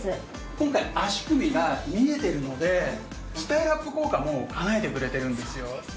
今回足首が見えてるのでスタイルアップ効果も叶えてくれてるんですよ。